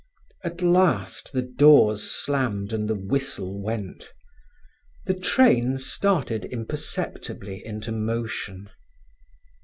At last the doors slammed and the whistle went. The train started imperceptibly into motion.